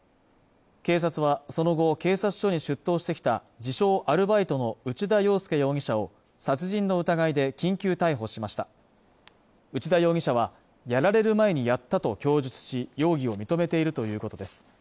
警察はその後、警察署に出頭してきた自称アルバイトの内田洋輔容疑者を殺人の疑いで緊急逮捕しました内田容疑者はやられる前にやったと供述し容疑を認めているということです